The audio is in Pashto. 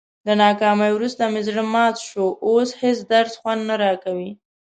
له ناکامۍ ورسته مې زړه مات شو، اوس هېڅ درس خوند نه راکوي.